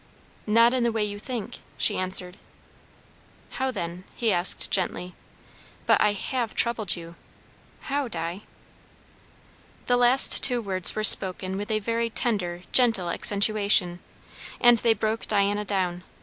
"Not in the way you think," she answered. "How then?" he asked gently. "But I have troubled you. How, Di?" The last two words were spoken with a very tender, gentle accentuation, and they broke Diana down.